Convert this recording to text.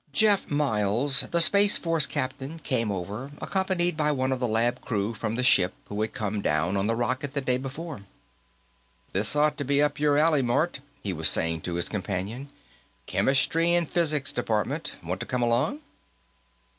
Jeff Miles, the Space Force captain, came over, accompanied by one of the lab crew from the ship who had come down on the rocket the day before. "This ought to be up your alley, Mort," he was saying to his companion. "Chemistry and physics department. Want to come along?"